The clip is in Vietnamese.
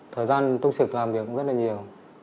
thời gian tôi trực làm việc rất là nhiều